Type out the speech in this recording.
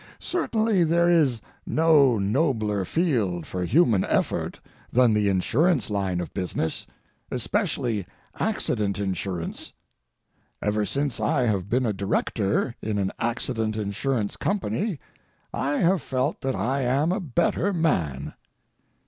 Certainly there is no nobler field for human effort than the insurance line of business—especially accident insurance. Ever since I have been a director in an accident insurance company I have felt that I am a better man.